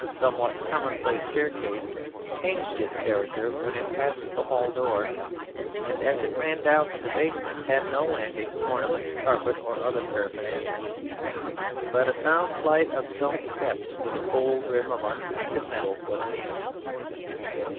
somewhat commonplace staircase changed its character when it passed the hall door, and as it ran down to the basement had no landing, ornament, carpet or other paraphernalia, but a sound flight of stone steps with a cold rim of unpainted metal for the hand.